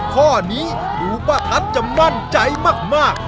ข้อนี้ดูป้าทัศน์จะมั่นใจมาก